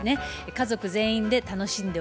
家族全員で楽しんでおります。